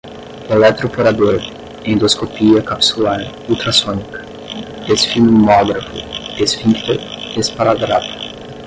eletroporador, endoscopia capsular, ultrassônica, esfigmógrafo, esfíncter, esparadrapo